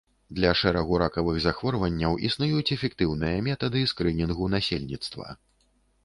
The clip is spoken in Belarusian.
Для шэрагу ракавых захворванняў існуюць эфектыўныя метады скрынінгу насельніцтва.